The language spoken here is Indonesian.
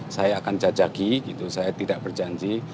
saya akan jajaki saya tidak berjanji